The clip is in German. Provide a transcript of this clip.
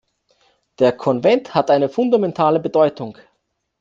Der Konvent hat eine fundamentale Bedeutung.